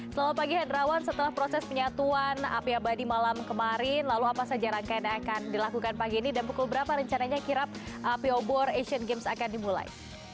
selamat pagi hendrawan setelah proses penyatuan api abadi malam kemarin lalu apa saja rangkaian yang akan dilakukan pagi ini dan pukul berapa rencananya kirap api obor asian games akan dimulai